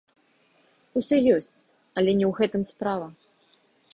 Усё ёсць, але не ў гэтым справа.